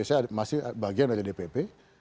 saya masih bagian dari dpp